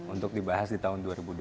untuk dibahas di tahun dua ribu dua puluh